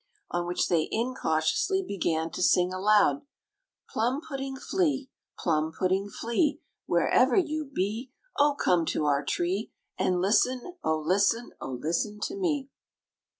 On which they incautiously began to sing aloud: "Plum pudding flea, Plum pudding flea, Wherever you be, Oh! come to our tree, And listen, oh! listen, oh! listen to me!"